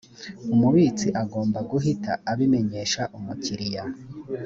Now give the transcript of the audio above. umubitsi agomba guhita abimenyesha umukiriya